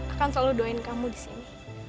akan selalu doain kamu disini